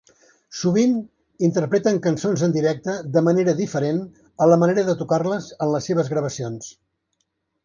Sovint interpreten cançons en directe de manera diferent a la manera de tocar-les en les seves gravacions.